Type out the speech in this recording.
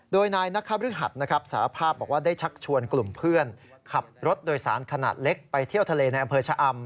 โดยนายนักฆภาริช